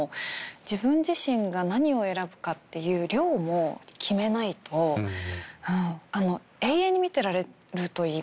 自分自身が何を選ぶかっていう量も決めないと永遠に見てられるといいますか。